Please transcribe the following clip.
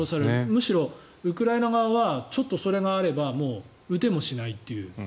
むしろウクライナ側はちょっとそれがあればもう撃てもしないっていう。